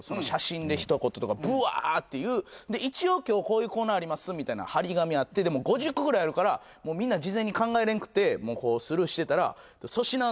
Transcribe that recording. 写真で一言とかぶわーっていう一応今日こういうコーナーありますみたいな貼り紙あってでも５０個ぐらいあるからもうみんな事前に考えれんくてもうこうスルーしてたら粗品